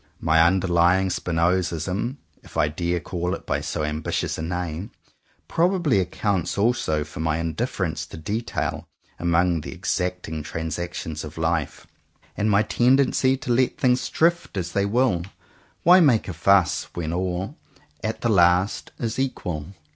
My underlying Spinozism, if I dare call it by so ambitious a name, probably accounts also for my indifference to detail among the exacting transactions of life, and my tendency to let things drift as they 55 CONFESSIONS OF TWO BROTHERS will. Why make a fuss, when all, at the last, is equal?